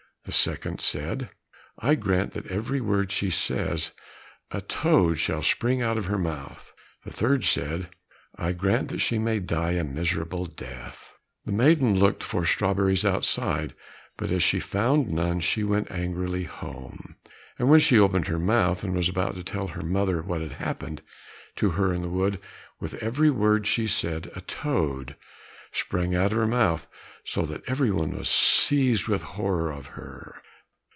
The second said, "I grant that at every word she says, a toad shall spring out of her mouth." The third said, "I grant that she may die a miserable death." The maiden looked for strawberries outside, but as she found none, she went angrily home. And when she opened her mouth, and was about to tell her mother what had happened to her in the wood, with every word she said, a toad sprang out of her mouth, so that every one was seized with horror of her.